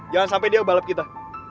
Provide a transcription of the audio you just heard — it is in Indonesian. jangan sampai dia balap kita